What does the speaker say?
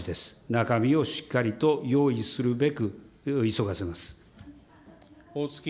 中身をしっかりと用意するべく急がせます。